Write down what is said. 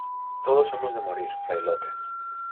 ¡ todos hemos de morir, Fray Lope!...